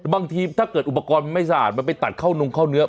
บางทีถ้าเกิดอุปกรณ์มันไม่สะอาดมันไปตัดเข้านงเข้าเนื้อ